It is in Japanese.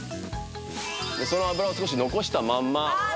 その油を少し残したまんま・ああ